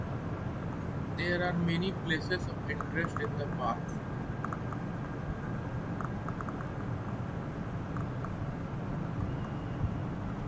There are many places of interest in the park